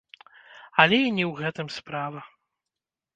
Але і не ў гэтым справа.